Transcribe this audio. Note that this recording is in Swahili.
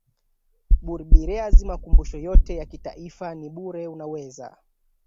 burebies Makumbusho yote ya kitaifa ni bure unaweza